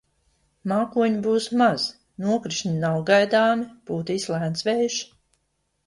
Mākoņu būs maz, nokrišņi nav gaidāmi, pūtīs lēns vējš.